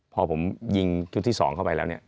พอผมยิงชุดที่๒เข้าไปแล้วเนี่ย